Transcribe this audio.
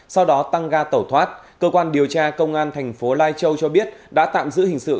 sau đó tăng ga tẩu thoát cơ quan điều tra công an thành phố lai châu cho biết đã tạm giữ hình sự